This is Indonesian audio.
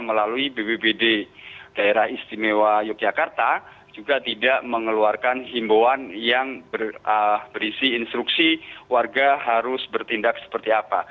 melalui bbbd daerah istimewa yogyakarta juga tidak mengeluarkan himbauan yang berisi instruksi warga harus bertindak seperti apa